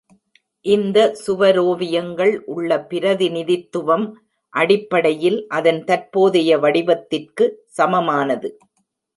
இந்த சுவரோவியங்கள் உள்ள பிரதிநிதித்துவம் அடிப்படையில் அதன் தற்போதைய வடிவத்திற்கு சமமானது.